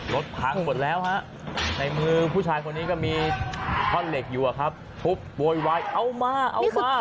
รถพังหมดแล้วฮะในมือผู้ชายคนนี้ก็มีท่อนเหล็กอยู่อะครับทุบโวยวายเอามาเอามา